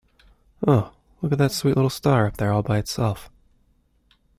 Oh, look at that sweet little star up there all by itself.